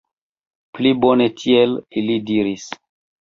Pli bone tiel, ili diris.